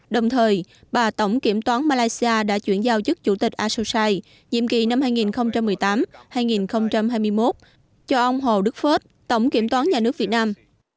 đồng thời bà tổng kiểm toán malaysia đã chuyển giao chức chủ tịch asosai nhiệm kỳ năm hai nghìn một mươi tám hai nghìn hai mươi một cho ông hồ đức phớt tổng kiểm toán nhà nước việt nam